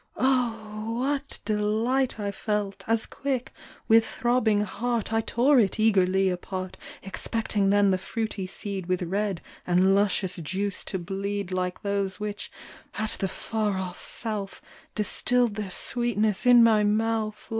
Oh ! what delight I felt, as quick, with throbbing heart, I tore it eagerly apart, Expecting then the fruity seed With red and luscious juice to bleed Like those which, at the far off South, Distilled their sweetness in my mouth.